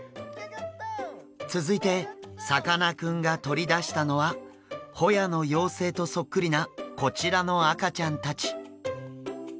続いてさかなクンが取り出したのはホヤの幼生とそっくりなこちらの赤ちゃんたち。